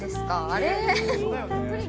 あれ。